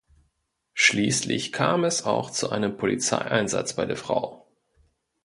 Schliesslich kam es auch zu einem Polizeieinsatz bei der Frau.